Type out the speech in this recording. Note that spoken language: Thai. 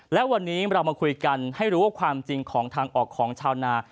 และวันนี้เรามาคุยกันให้รู้ว่าความจริงของทางออกของชาวนา